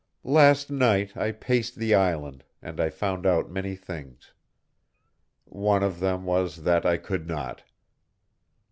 "Last night I paced the island, and I found out many things. One of them was that I could not."